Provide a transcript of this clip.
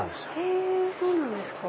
へぇそうなんですか。